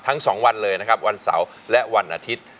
ทั้ง๒วันเลยนะครับวันเสาร์และวันอาทิตย์